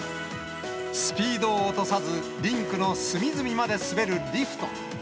スピードを落とさず、リンクの隅々まで滑るリフト。